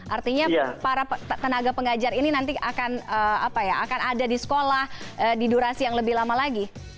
artinya para tenaga pengajar ini nanti akan ada di sekolah di durasi yang lebih lama lagi